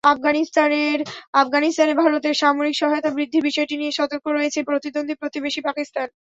আফগানিস্তানে ভারতের সামরিক সহায়তা বৃদ্ধির বিষয়টি নিয়ে সতর্ক রয়েছে প্রতিদ্বন্দ্বী প্রতিবেশী পাকিস্তান।